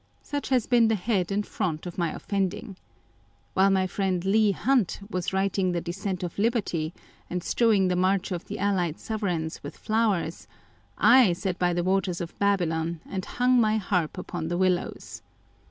Such has been the head and front of my offending. While my friend Leigh Hunt was writing the Descent of Liberty,1 and strewing the march of the Allied Sovereigns with flowers, I sat by the waters of Babylon and hung my harp upon the willows.